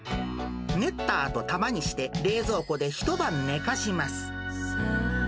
寝ったあとたまにして冷蔵庫で一晩寝かします。